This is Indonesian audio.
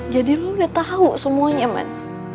jadi lo udah tahu semuanya man